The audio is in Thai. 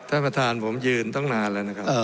ท่านประธานผมยืนตั้งนานแล้วนะครับ